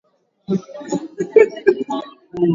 Maajabu mengi Sana Anatarajia kuchunguza vivutio viwili